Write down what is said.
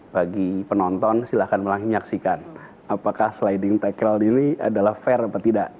bagi penonton silahkan menyaksikan apakah sliding tackle ini adalah fair atau tidak